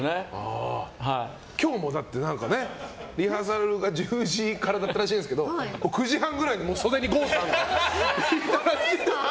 今日もリハーサルが１０時からだったらしいんですけど９時半ぐらいに袖に郷さんが。